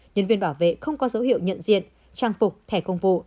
nhân viên bảo vệ không có dấu hiệu nhận diện trang phục thẻ công vụ